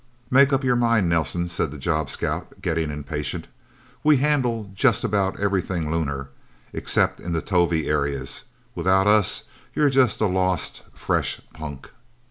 "Make up your mind, Nelsen," said the job scout, getting impatient. "We handle just about everything lunar except in the Tovie areas. Without us, you're just a lost, fresh punk!"